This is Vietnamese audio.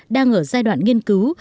đang ở giai đoạn nghiên cứu